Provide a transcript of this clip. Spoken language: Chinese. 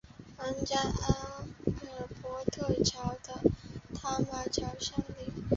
皇家阿尔伯特桥和塔马桥相邻。